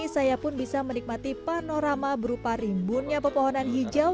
saya pun bisa menikmati panorama berupa rimbunnya pepohonan hijau